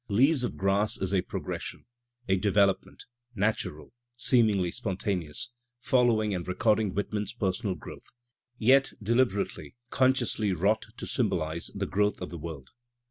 "Leaves of Grass" is a progres sion, a development, natural, seemingly spontaneous, following and recording Whitman's personal growth, yet deliberately, consciously wrought to symbolize the growth of the world.